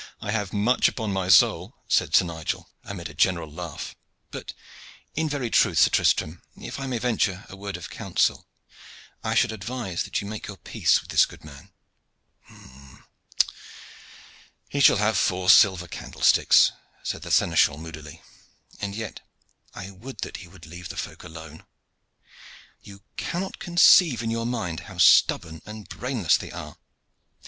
I have much upon my soul," said Sir Nigel, amid a general laugh. "But in very truth, Sir Tristram, if I may venture a word of counsel, I should advise that you make your peace with this good man." "He shall have four silver candlesticks," said the seneschal moodily. "And yet I would that he would leave the folk alone. You cannot conceive in your mind how stubborn and brainless they are.